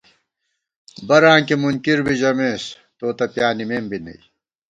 براں کی مُنکِر بی ژِمېس، تو تہ پیانِمېم بی نئ